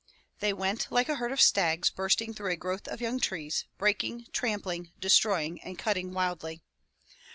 They went like a herd of stags bursting through a growth of young trees, breaking, trampling, destroying, and cutting wildly.